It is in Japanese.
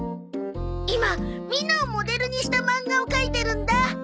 今みんなをモデルにしたマンガを描いてるんだ。